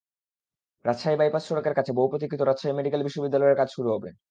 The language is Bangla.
রাজশাহী বাইপাস সড়কের কাছে বহুপ্রতীক্ষিত রাজশাহী মেডিকেল বিশ্ববিদ্যালয়ের কাজ শুরু হবে।